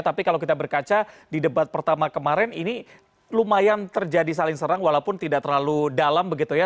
tapi kalau kita berkaca di debat pertama kemarin ini lumayan terjadi saling serang walaupun tidak terlalu dalam begitu ya